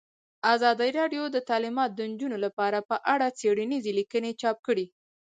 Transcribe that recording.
ازادي راډیو د تعلیمات د نجونو لپاره په اړه څېړنیزې لیکنې چاپ کړي.